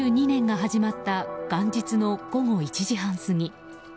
２０２２年が始まった元日の午後１時半過ぎ。